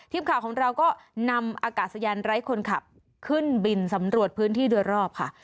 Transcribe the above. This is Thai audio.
ทีมข่าวของเราก็นำอากาศยานไร้คนขับขึ้นบินสำรวจพื้นที่โดยรอบค่ะ